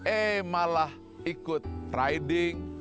eh malah ikut riding